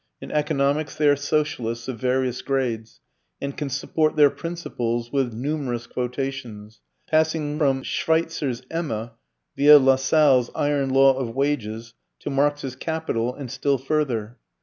In economics they are socialists of various grades, and can support their "principles" with numerous quotations, passing from Schweitzer's EMMA via Lasalle's IRON LAW OF WAGES, to Marx's CAPITAL, and still further.